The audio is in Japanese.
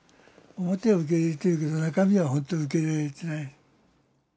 表は受け入れているけど中身は本当は受け入れられてない。